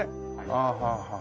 はあはあはあ。